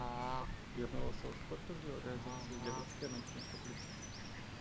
Jednalo se o sportovní organizaci německé menšiny v Teplicích.